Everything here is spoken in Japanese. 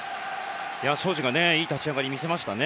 荘司がいい立ち上がりを見せましたね。